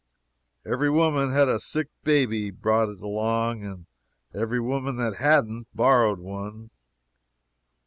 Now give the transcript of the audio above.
Every woman that had a sick baby brought it along, and every woman that hadn't, borrowed one.